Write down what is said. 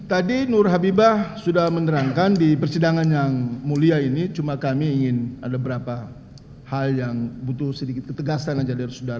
tadi nur habibah sudah menerangkan di persidangan yang mulia ini cuma kami ingin ada beberapa hal yang butuh sedikit ketegasan saja dari saudara